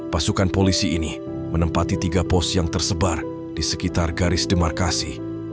pasukan polisi ini menempati tiga pos yang tersebar di sekitar garis demarkasi